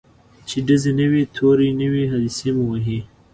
چي ډزي نه وي توری نه وي حادثې مو وهي